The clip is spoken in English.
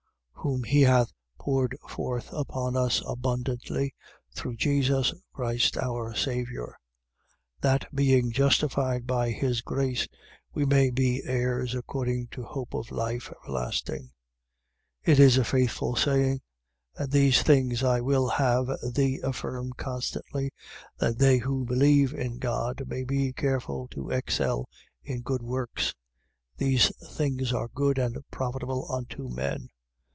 3:6. Whom he hath poured forth upon us abundantly, through Jesus Christ our Saviour: 3:7. That, being justified by his grace, we may be heirs according to hope of life everlasting. 3:8. It is a faithful saying. And these things I will have thee affirm constantly, that they who believe in God may be careful to excel in good works. These things are good and profitable unto men.